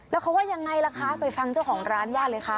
แล้วเขาว่ายังไงล่ะคะไปฟังเจ้าของร้านญาติเลยค่ะ